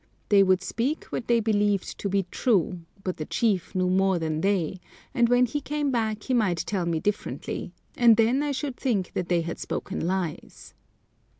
They would speak what they believed to be true, but the chief knew more than they, and when he came back he might tell me differently, and then I should think that they had spoken lies."